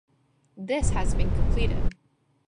This has been completed.